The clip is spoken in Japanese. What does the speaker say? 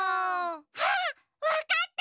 あっわかった！